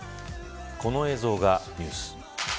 この映像がニュース。